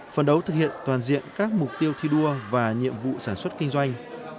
phần đấu thực hiện toàn diện các mục tiêu thi đua và nhiệm vụ sản xuất kinh doanh